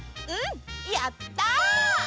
うんやった！